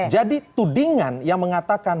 jadi tudingan yang mengatakan